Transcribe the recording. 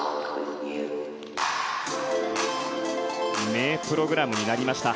名プログラムになりました。